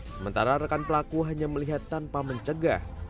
sementara rekan pelaku hanya melihat tanpa mencegah